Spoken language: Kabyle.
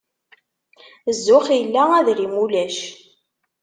Zzux illa, adrim ulac.